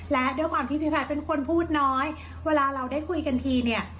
และด้วยความที่พี่แพทย์เป็นคนพูดน้อยเวลาเราได้คุยกันทีเนี่ย